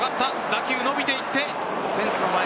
打球伸びていってフェンスの前。